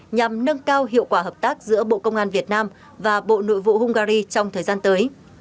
nhằm nâng cao hiệu quả hợp tác giữa bộ công an việt nam và bộ nội vụ hungary trong thời gian tới